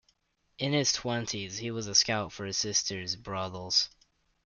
In his twenties, he was a scout for his sisters' brothels.